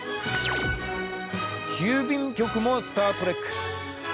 郵便局も「スター・トレック」。